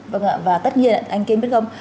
vâng ạ và tất nhiên anh kêm biết không